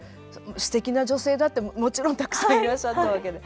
すてきな女性だってもちろんたくさんいらっしゃったわけで。